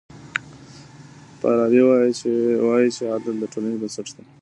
فارابي وايي چي عدل د ټولني بنسټ دی.